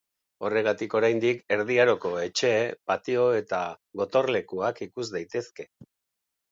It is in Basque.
Horregatik oraindik erdi aroko etxe, patio eta gotorlekuak ikus daitezke.